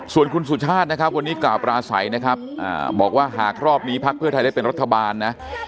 ส่วนคุณสุชาตินะครับวันนี้กล่าวปราศัยนะครับบอกว่าหากรอบนี้พักเพื่อไทยได้เป็นรัฐบาลนะ